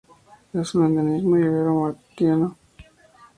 Es un endemismo ibero-mauritano.